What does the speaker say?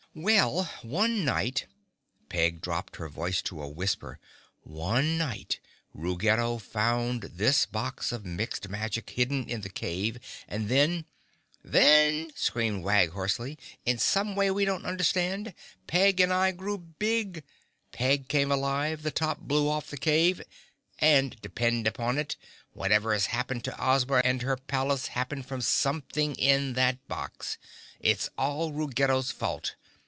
"Well, one night"—Peg dropped her voice to a whisper—"One night Ruggedo found this box of Mixed Magic hidden in the cave and then—" "Then," screamed Wag hoarsely, "in some way we don't understand, Peg and I grew big, Peg came alive, the top blew off the cave—and depend upon it, whatever's happened to Ozma and her palace happened from something in that box. It's all Ruggedo's fault.